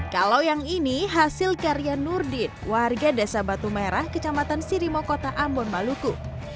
kalau yang ini hasil karya nurdin warga desa batu merah kecamatan sirimo kota ambon maluku